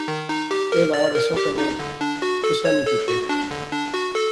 ایہہ لاڈ اساں کنے کسا نی کتے